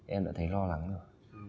em đã thấy lo lắng rồi